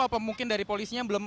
atau mungkin dari polisinya belum